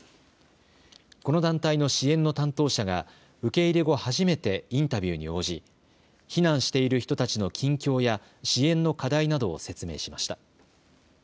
この団体の支援の担当者が受け入れ後、初めてインタビューに応じ避難している人たちの近況や支援の課題などを説明しました。